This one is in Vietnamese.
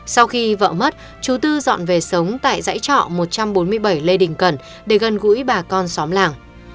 sau khi vợ mất chú tư dọn về sống tại dãy trọ một trăm bốn mươi bảy lê đình cần để gần gũi bà con xóm làng